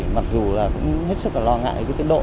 mặc dù hết sức lo ngại tiến độ